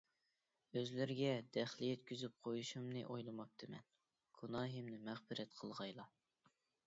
ئۆزلىرىگە دەخلى يەتكۈزۈپ قويۇشۇمنى ئويلىماپتىمەن. گۇناھىمنى مەغپىرەت قىلغايلا.